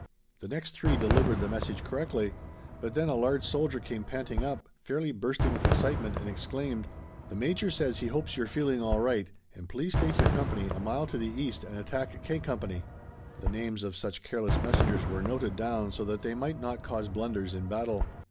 The next three delivered the message correctly, but then a large soldier came panting up, fairly bursting with excitement, and exclaimed: "The major says he hopes you're feeling all right and please take your company a mile to the east and attack K company." The names of such careless messengers were noted down so that they might not cause blunders in battle.